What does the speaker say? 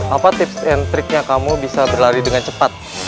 apa tips and triknya kamu bisa berlari dengan cepat